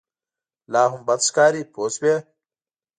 لا هم بد ښکاري پوه شوې!.